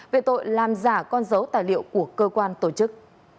về tội làm giả con dấu tài liệu của cơ quan tổ chức